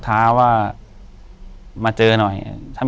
อยู่ที่แม่ศรีวิรัยิลครับ